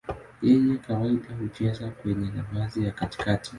Yeye kawaida hucheza kwenye nafasi ya katikati.